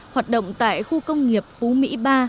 hoạt động tại khu công nghiệp phú mỹ ba